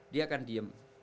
dia akan diem